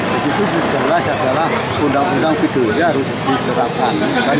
di situ jelas adalah undang undang pd harus diterapkan